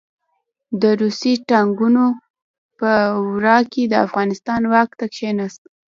د روسي ټانګونو په ورا کې د افغانستان واک ته کښېناست.